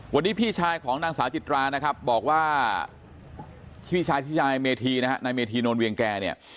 วันนี้พี่ชายของนางสาวจิตรานะครับบอกว่าพี่ชายชื่อยายเมธีนะฮะนายเมธีนวลเวียงแก่เนี่ย